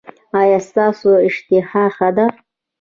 ایا ستاسو اشتها ښه ده؟